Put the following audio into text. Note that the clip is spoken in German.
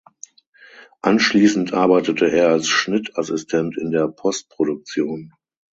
Anschließend arbeitete er als Schnittassistent in der Postproduktion.